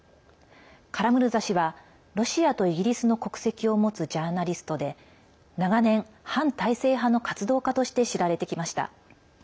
カラムルザ氏はロシアとイギリスの国籍を持つジャーナリストで長年、反体制派の活動家として知られてきました。